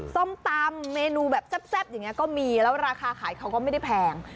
ส้มตำคิดแซ่บอย่างนี้ละก็มีราคาขายเขาก็ไม่ได้แพง